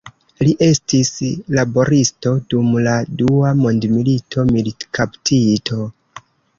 Li estis laboristo, dum la dua mondmilito militkaptito.